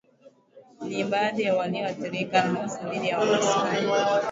ni baadhi ya walioathirika na hofu dhidi ya Wamasai